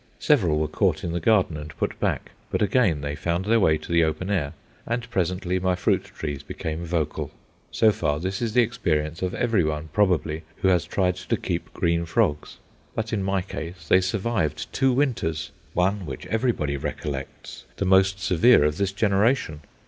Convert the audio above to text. Several were caught in the garden and put back, but again they found their way to the open air; and presently my fruit trees became vocal. So far, this is the experience of every one, probably, who has tried to keep green frogs. But in my case they survived two winters one which everybody recollects, the most severe of this generation.